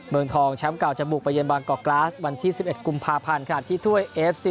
เมืองทองแชมป์เก่าจะบุกไปเย็นบางกอกกราศวันที่สิบเอ็ดกุมภาพันธ์ขาดที่ถ้วย